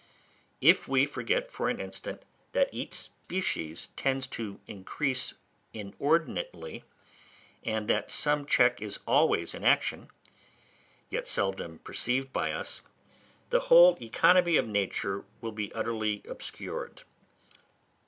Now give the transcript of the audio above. If we forget for an instant that each species tends to increase inordinately, and that some check is always in action, yet seldom perceived by us, the whole economy of nature will be utterly obscured.